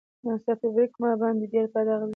ناڅاپي بريک ما باندې ډېره بده اغېزه کوي.